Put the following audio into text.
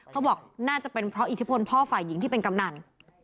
เขาบอกน่าจะเป็นเพราะอิทธิพลพ่อฝ่ายหญิงที่เป็นกำนัน